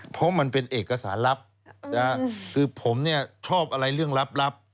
เพราะมันเป็นเอกสารลับคือผมเนี่ยชอบอะไรเรื่องลับ